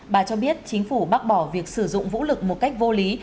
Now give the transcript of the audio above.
bà cho biết chính phủ bác bỏ việc sử dụng vũ lực một cách vô lý